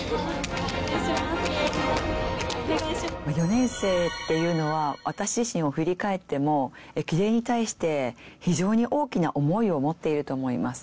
４年生っていうのは私自身を振り返っても駅伝に対して非常に大きな思いを持っていると思います。